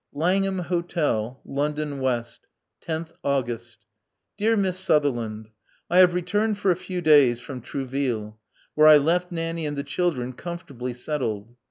Langham Hotel, London, W. loth August. Dear Miss Sutherland: — I have returned for a few days from Trouville, where I left Nanny and the chil dren comfortably settled.